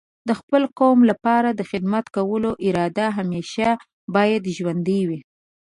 د خپل قوم لپاره د خدمت کولو اراده همیشه باید ژوندۍ وي.